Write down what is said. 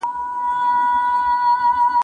زه اوږده وخت د کتابتوننۍ سره مرسته کوم!